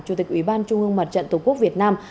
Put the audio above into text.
chủ tịch ủy ban trung ương mặt trận tổ quốc việt nam